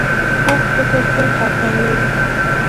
کوږ فکر تل خپګان لري